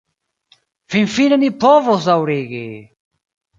Finfine ni povos daŭrigi!